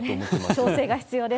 調整が必要です。